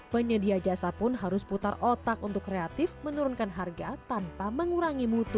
penyedia jasa pun harus putar otak untuk kreatif menurunkan harga tanpa mengurangi mutu